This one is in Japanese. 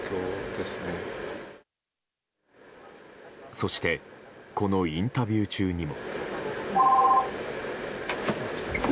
そしてこのインタビュー中にも。